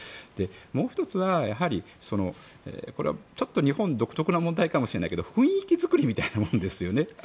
もう１つは、やはりちょっと日本独特な問題かもしれないけど雰囲気作りみたいなものですよね。